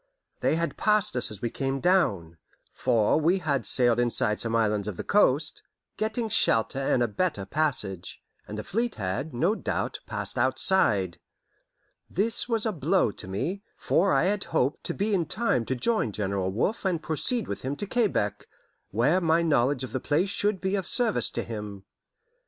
They had passed us as we came down, for we had sailed inside some islands of the coast, getting shelter and better passage, and the fleet had, no doubt, passed outside. This was a blow to me, for I had hoped to be in time to join General Wolfe and proceed with him to Quebec, where my knowledge of the place should be of service to him.